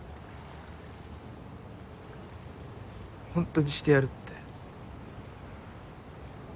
ほんとにしてやるって。